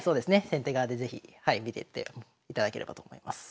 先手側で是非見てっていただければと思います。